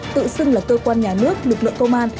tự xưng là cơ quan nhà nước lực lượng công an